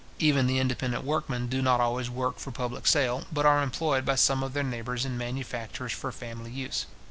Even the independent workmen do not always, work for public sale, but are employed by some of their neighbours in manufactures for family use.